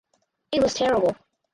It was terrible.